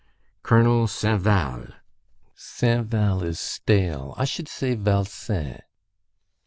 "Colonel Sainval." "Sainval is stale. I should say Valsin."